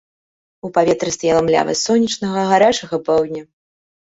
У паветры стаяла млявасць сонечнага гарачага паўдня.